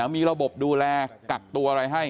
มีระบบดูแลกักตัวอะไรให้